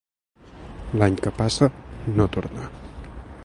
L'any que passa, no torna.